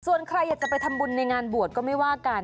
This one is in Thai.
ส่วนใครอยากจะไปทำบุญในงานบวชก็ไม่ว่ากัน